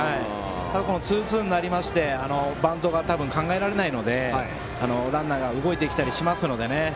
ただ、ツーツーになりましてバントが考えられないのでランナーが動いてきたりしますのでね。